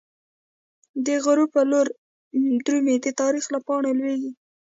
دغروب په لوری درومی، د تاریخ له پاڼو لویږی